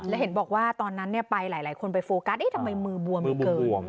แล้วเห็นบอกว่าตอนนั้นเนี่ยไปหลายคนไปโฟกัสเอ๊ะทำไมมือบวมเกิน